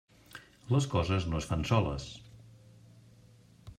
Les coses no es fan soles.